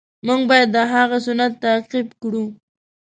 مونږ باید د هغه سنت تعقیب کړو.